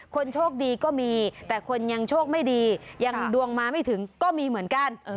คนโชคดีก็มีแต่คนยังโชคไม่ดียังดวงมาไม่ถึงก็มีเหมือนกัน